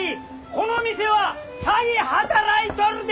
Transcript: この店は詐欺働いとるで！